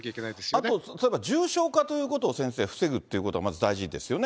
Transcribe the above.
あと重症化ということを先生、防ぐということがまず大事ですよね。